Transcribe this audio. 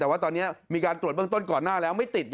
แต่ว่าตอนนี้มีการตรวจเบื้องต้นก่อนหน้าแล้วไม่ติด